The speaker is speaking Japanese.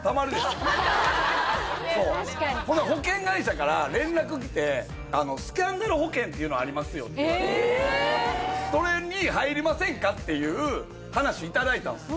確かにほな保険会社から連絡来てスキャンダル保険っていうのありますよって言われてそれに入りませんか？っていう話いただいたんすよ